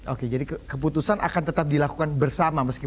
oke jadi keputusan akan tetap dilakukan bersama